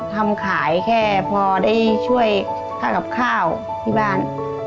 ทำขายแค่พอได้ช่วยค่ากับข้าวที่บ้าน